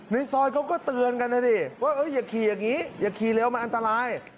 ในซอยเขาก็เตือนกันนะดิว่าอย่าขี่อย่างนี้อย่าขี่เร็วมันอันตราย